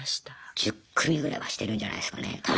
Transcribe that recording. １０組ぐらいはしてるんじゃないすかね多分。